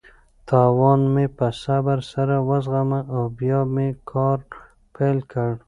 تاوان مې په صبر سره وزغمه او بیا مې کار پیل کړ.